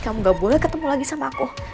kamu gak boleh ketemu lagi sama aku